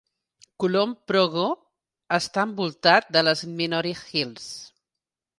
Kulon Progo està envoltat de les Menoreh Hills.